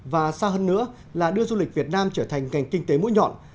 và xa hơn nữa là đưa du lịch việt nam trở thành ngành kinh tế mũi nhọn